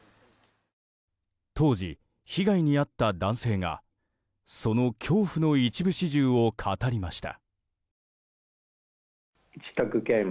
当時、被害に遭った男性がその恐怖の一部始終を語りました。